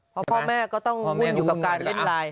เพราะพ่อแม่ก็ต้องหุ้นอยู่กับการเล่นไลน์